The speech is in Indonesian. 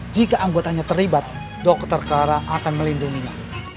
jika anggotanya terlibat dr clara akan melindunginya